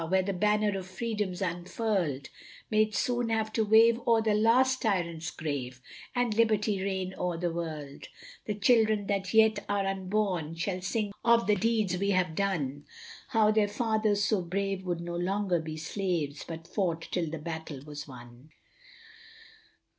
Where the banner of freedom's unfurl'd, May it soon have to wave o'er the last tyrant's grave, And liberty reign o'er the world; The children that yet are unborn, Shall sing of the deeds we have done, How their fathers so brave would no longer be slaves, But fought till the battle was won.